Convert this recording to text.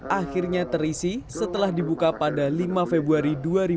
akhirnya terisi setelah dibuka pada lima februari dua ribu dua puluh